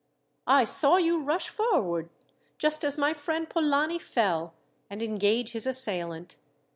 "I saw you rush forward, just as my friend Polani fell, and engage his assailant.